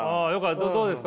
どうですか？